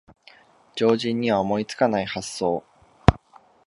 常人には思いつかない発想